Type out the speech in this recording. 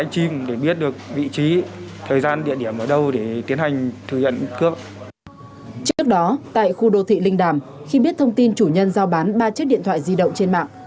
trước đó tại khu đô thị linh đàm khi biết thông tin chủ nhân giao bán ba chiếc điện thoại di động trên mạng